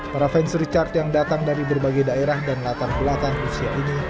para fans richard yang datang dari berbagai daerah dan latar belakang rusia ini